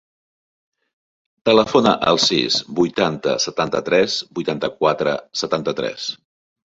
Telefona al sis, vuitanta, setanta-tres, vuitanta-quatre, setanta-tres.